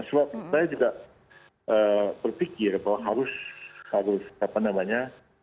saya juga berpikir bahwa harus harus apa namanya